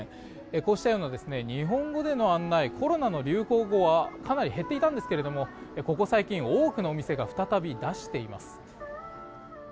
こうしたような日本語での案内コロナの流行後はかなり減っていたんですけれどもここ最近多くのお店が再び出しています。